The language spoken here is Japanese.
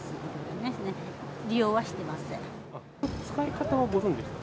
使い方はご存じですか？